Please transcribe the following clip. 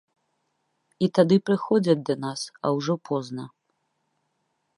І тады прыходзяць да нас, а ўжо позна.